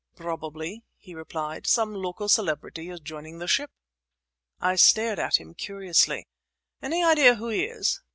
"Probably," he replied, "some local celebrity is joining the ship." I stared at him curiously. "Any idea who he is?"